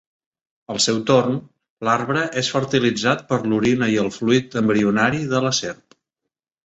Al seu torn, l'arbre és fertilitzat per l'orina i el fluid embrionari de la serp.